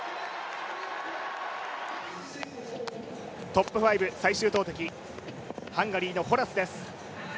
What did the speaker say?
トップ５、最終投てき、ハンガリ−のホラスです。